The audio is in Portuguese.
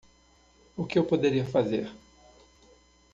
O que eu poderia fazer?